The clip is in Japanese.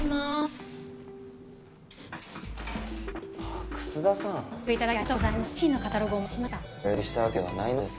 ありがとうございます。